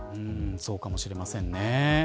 そうかもしれませんね。